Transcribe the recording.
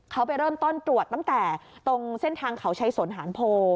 เขาไปเริ่มต้นตรวจตั้งแต่ตรงเส้นทางเขาชัยสนหานโพ